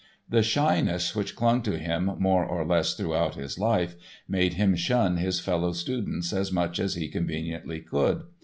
The shyness which clung to him more or less throughout his life made him shun his fellow students as much as he conveniently could.